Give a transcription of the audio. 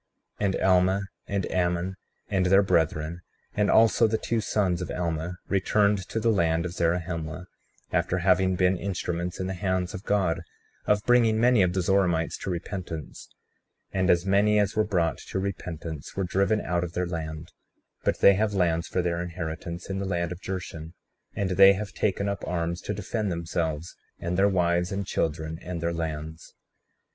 35:14 And Alma, and Ammon, and their brethren, and also the two sons of Alma returned to the land of Zarahemla, after having been instruments in the hands of God of bringing many of the Zoramites to repentance; and as many as were brought to repentance were driven out of their land; but they have lands for their inheritance in the land of Jershon, and they have taken up arms to defend themselves, and their wives, and children, and their lands.